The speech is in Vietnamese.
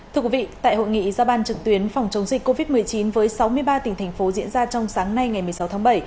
thưa quý vị tại hội nghị giao ban trực tuyến phòng chống dịch covid một mươi chín với sáu mươi ba tỉnh thành phố diễn ra trong sáng nay ngày một mươi sáu tháng bảy